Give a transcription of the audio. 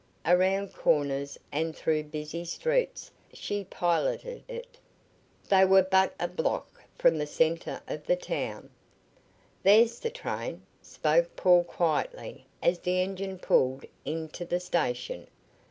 Around corners, and through busy streets she piloted it. They were but a block from the center of the town. "There's the train," spoke Paul quietly as the engine pulled into the station.